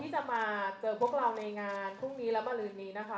เจอพวกเราในงานพรุ่งนี้และมารุ่นนี้นะคะ